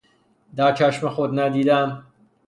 در چشم خود ندیدن